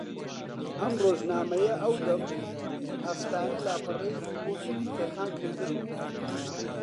ئەم ڕۆژنامەیە ئەودەم ھەفتانە لاپەڕەیەکی بۆ کوردی تەرخان کردبوو